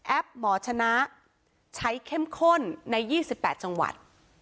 หมอชนะใช้เข้มข้นใน๒๘จังหวัด